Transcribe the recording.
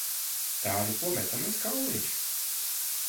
Tā ripo metamais kauliņš.